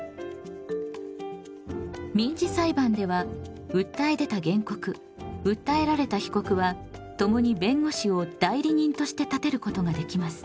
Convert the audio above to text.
民事裁判では訴え出た原告訴えられた被告は共に弁護士を代理人として立てることができます。